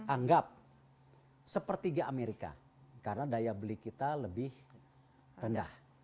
anggap sepertiga amerika karena daya beli kita lebih rendah